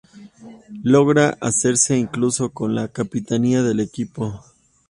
Logra hacerse incluso con la capitanía del equipo.